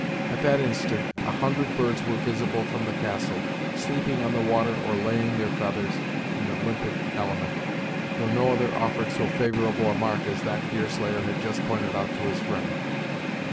At that instant, a hundred birds were visible from the castle, sleeping on the water or laying their feathers in the limpid element, though no other offered so favorable a mark as that Deerslayer had just pointed out to his friend.